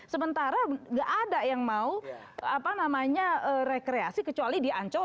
sementara nggak ada yang mau rekreasi kecuali di ancol